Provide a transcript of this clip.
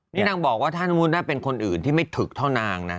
นี่นางบอกว่าถ้าเป็นคนอื่นที่ไม่ถึกเท่านางนะ